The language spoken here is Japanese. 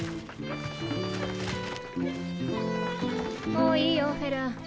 もういいよフェルン。